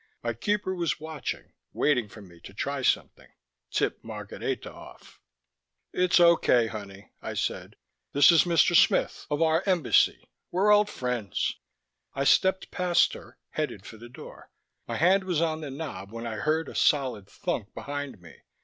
My keeper was watching, waiting for me to try something, tip Margareta off.... "It's okay, honey," I said. "This is Mr. Smith ... of our Embassy. We're old friends." I stepped past her, headed for the door. My hand was on the knob when I heard a solid thunk behind me.